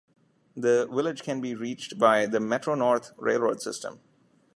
The village can be reached by the Metro-North railroad system.